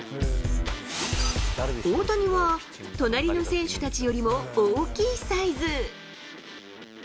大谷は隣の選手たちよりも大きいサイズ。